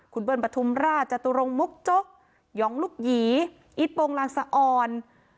คุณเบิร์นปทุมราชจตุรงมุกจกย้องลุกหยีอิตปงรังสออน